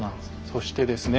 そしてですね